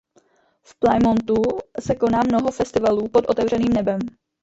V Plymouthu se koná mnoho festivalů pod otevřeným nebem.